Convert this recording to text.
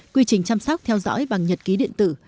quy trình chăm sóc theo dõi bằng nhật ký điện tử